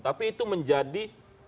tapi itu menjadi